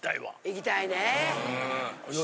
行きたいね。